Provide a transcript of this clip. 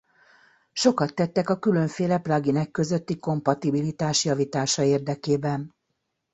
Sokat tettek a különféle pluginek közötti kompatibilitás javítása érdekében.